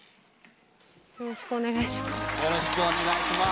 よろしくお願いします。